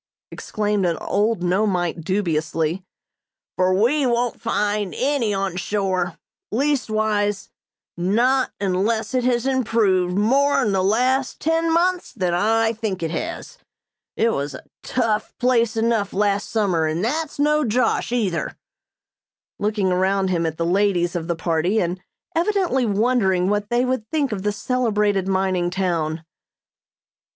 exclaimed an old Nomeite dubiously, "for we won't find any on shore; leastwise not unless it has improved more in the last ten months than I think it has. It was a tough place enough last summer, and that's no josh either!" looking around him at the ladies of the party and evidently wondering what they would think of the celebrated mining town.